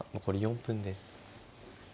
残り４分です。